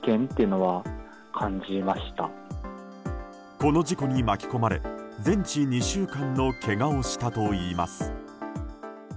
この事故に巻き込まれ全治２週間のけがをしたといいます。